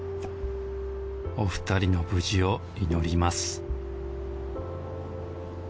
お二人の無事を祈ります」。